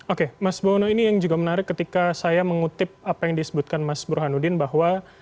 oke mas bowono ini yang juga menarik ketika saya mengutip apa yang disebutkan mas burhanuddin bahwa